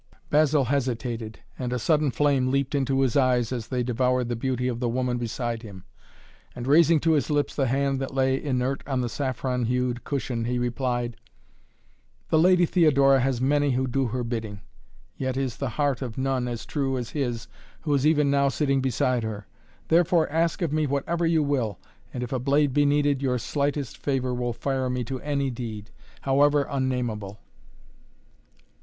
Basil hesitated, and a sudden flame leaped into his eyes as they devoured the beauty of the woman beside him, and raising to his lips the hand that lay inert on the saffron hued cushion, he replied: "The lady Theodora has many who do her bidding, yet is the heart of none as true as his, who is even now sitting beside her. Therefore ask of me whatever you will and, if a blade be needed, your slightest favor will fire me to any deed, however unnameable."